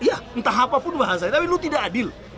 iya entah apapun bahasa ini tapi lu tidak adil